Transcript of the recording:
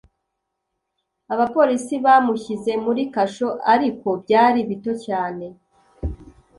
abapolisi bamushyize muri kasho, ariko byari bito cyane,